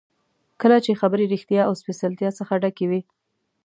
کله چې خبرې ریښتیا او سپېڅلتیا څخه ډکې وي.